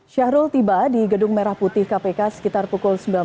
syahrul tiba di gedung merah putih kpk sekitar pukul sembilan belas